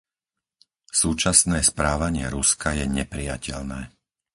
Súčasné správanie Ruska je neprijateľné.